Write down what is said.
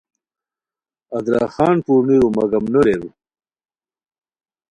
ادراخان پورونیرو مگم نو لیرو